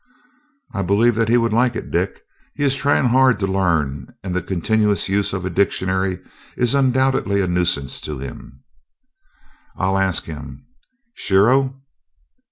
"I believe that he would like it, Dick. He is trying hard to learn, and the continuous use of a dictionary is undoubtedly a nuisance to him." "I'll ask him. Shiro!"